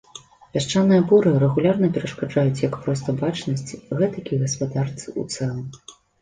Пясчаныя буры рэгулярна перашкаджаюць як проста бачнасці, гэтак і гаспадарцы ў цэлым.